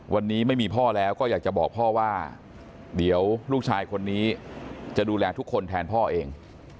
วันนี้ไม่มีพ่อแล้วก็อยากจะบอกพ่อว่าเดี๋ยวลูกชายคนนี้จะดูแลทุกคนแทนพ่อเอง